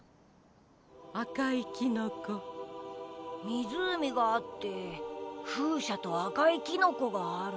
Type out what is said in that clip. みずうみがあってふうしゃとあかいキノコがある。